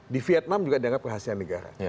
di vietnam juga dianggap rahasiaan negara